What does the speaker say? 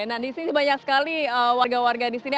nah di sini banyak sekali warga warga di sini